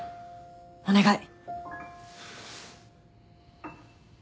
お願い。